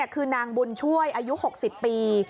คือนางบุญช่วยอายุ๖๐ปี